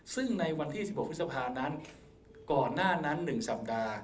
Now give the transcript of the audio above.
ซึ่งในวันที่๑๖พฤษภานั้นก่อนหน้านั้น๑สัปดาห์